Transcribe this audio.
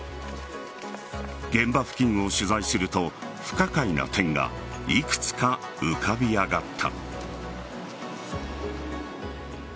現場付近を取材すると不可解な点がいくつか浮かび上がった。